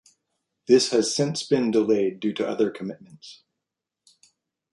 This has since been delayed due to other commitments.